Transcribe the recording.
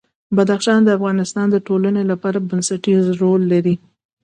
بدخشان د افغانستان د ټولنې لپاره بنسټيز رول لري.